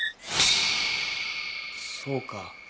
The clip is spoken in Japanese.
そうか。